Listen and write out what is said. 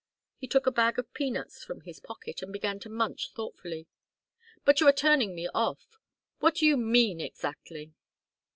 He took a bag of peanuts from his pocket and began to munch thoughtfully. "But you are turning me off. What do you mean exactly?"